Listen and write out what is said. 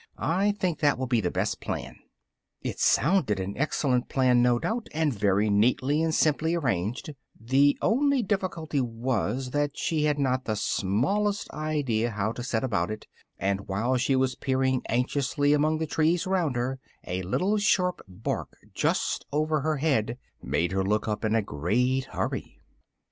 I think that will be the best plan." It sounded an excellent plan, no doubt, and very neatly and simply arranged: the only difficulty was, that she had not the smallest idea how to set about it, and while she was peering anxiously among the trees round her, a little sharp bark just over her head made her look up in a great hurry.